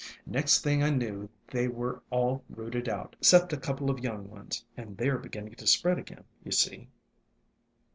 Next thing I knew they were all rooted out, 'cept a couple of young ones, and they 're beginning to spread again, you see."